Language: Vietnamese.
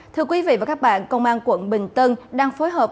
thưa quý vị và các bạn công an quận bình tân đang phối hợp